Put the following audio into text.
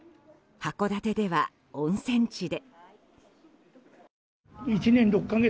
函館では、温泉地で。